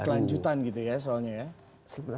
kelanjutan gitu ya soalnya ya